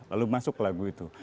lalu masuk lagu itu